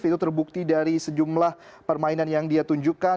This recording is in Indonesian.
itu terbukti dari sejumlah permainan yang dia tunjukkan